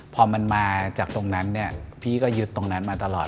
พอมันมาจากตรงนั้นเนี่ยพี่ก็ยึดตรงนั้นมาตลอด